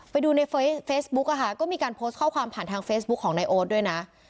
ไปดูในเฟซบุ๊กอะค่ะก็มีการโพสต์ข้อความผ่านทางเฟซบุ๊คของนายโอ๊ตด้วยนะ